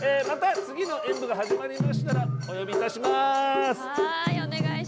また次の演舞が始まりましたらお呼びいたします。